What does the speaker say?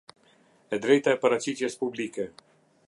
E drejta e paraqitjes publike.